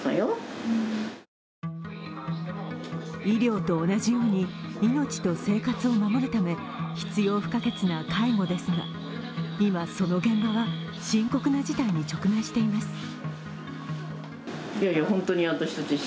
医療と同じように命と生活を守るため必要不可欠な介護ですが、今、その現場は深刻な事態に直面しています。